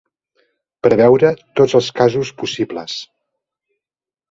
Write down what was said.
Preveure tots els casos possibles.